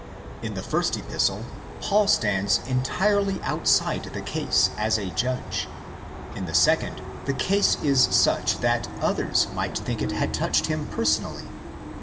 In the first Epistle Paul stands entirely outside the case as a judge; in the second, the case is such that others might think it had touched him personally (ii.